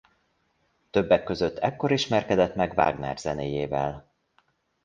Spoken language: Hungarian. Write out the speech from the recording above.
Többek között ekkor ismerkedett meg Wagner zenéjével.